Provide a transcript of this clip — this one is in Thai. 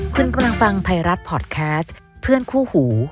คุณกำลังฟังไทยรัฐพอร์ตแคสต์เพื่อนคู่หู